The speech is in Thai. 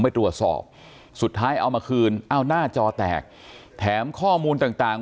ไปตรวจสอบสุดท้ายเอามาคืนเอาหน้าจอแตกแถมข้อมูลต่าง